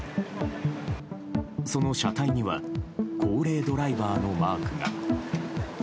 その車体には高齢ドライバーのマークが。